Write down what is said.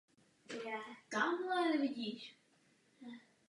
Co učinilo Rusko?